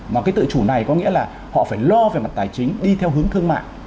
mà cái tự chủ này có nghĩa là họ phải lo về mặt tài chính đi theo hướng thương mại